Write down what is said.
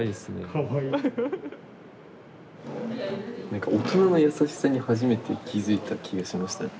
なんか大人の優しさに初めて気付いた気がしましたね。